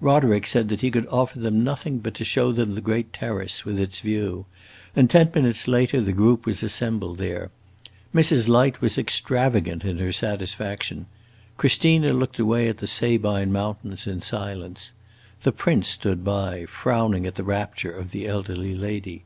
Roderick said that he could offer them nothing but to show them the great terrace, with its view; and ten minutes later the group was assembled there. Mrs. Light was extravagant in her satisfaction; Christina looked away at the Sabine mountains, in silence. The prince stood by, frowning at the rapture of the elder lady.